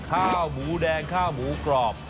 ข้าวหมูแดงข้าวหมูกรอบ